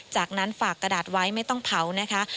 จากนั้นฝากกระดาษไว้ไม่ต้องเผานะคะ